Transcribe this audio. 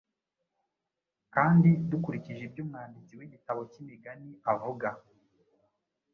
kandi dukurikije ibyo umwanditsi w’igitabo cy’Imigani avuga